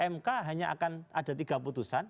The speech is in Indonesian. mk hanya akan ada tiga putusan